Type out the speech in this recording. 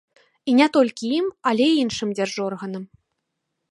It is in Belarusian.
І не толькі ім, але і іншым дзяржорганам.